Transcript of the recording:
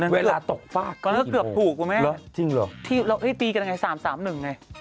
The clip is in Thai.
เวลาตกฟากกี่โมงแล้วก็เกือบถูกว่าแม่งจริงเหรอแล้วให้ตีกันไง๓๓๑ไง